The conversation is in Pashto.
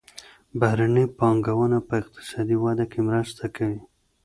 بهرنۍ پانګونه په اقتصادي وده کې مرسته کوي.